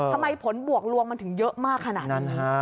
ผลบวกลวงมันถึงเยอะมากขนาดนั้น